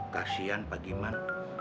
kasian pak giman